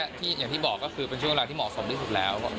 อย่างที่บอกคือช่วงเวลาที่เหมาะสมได้สุดแล้ว